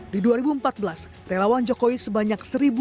di dua ribu empat belas relawan jokowi sebanyak satu tujuh ratus pilihan